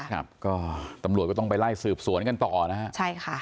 ครับก็ตำรวจก็ต้องไปไล่สืบสวนกันต่อนะฮะใช่ค่ะ